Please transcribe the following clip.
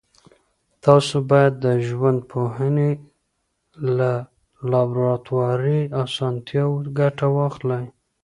تاسو باید د ژوندپوهنې له لابراتواري اسانتیاوو ګټه واخلئ.